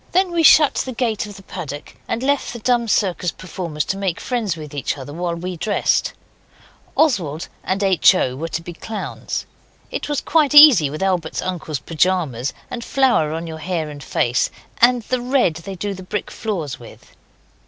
Then we shut the gate of the paddock, and left the dumb circus performers to make friends with each other while we dressed. Oswald and H. O. were to be clowns. It is quite easy with Albert's uncle's pyjamas, and flour on your hair and face, and the red they do the brick floors with.